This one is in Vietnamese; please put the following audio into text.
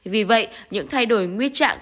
vì vậy những thay đổi nguy trạng